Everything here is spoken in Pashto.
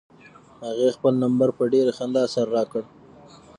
هغې خپل نمبر په ډېرې خندا سره راکړ.